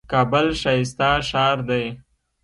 کابل ښايسته ښار دئ.